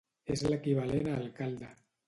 És l'equivalent a alcalde.